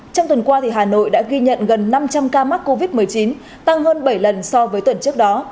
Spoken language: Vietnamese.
trong tuần qua hà nội đã ghi nhận gần năm trăm linh ca mắc covid một mươi chín tăng hơn bảy lần so với tuần trước đó